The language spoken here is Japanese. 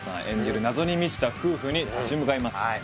演じる謎に満ちた夫婦に立ち向かいます